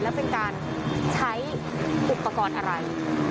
และเป็นการใช้อุปกรณ์อะไร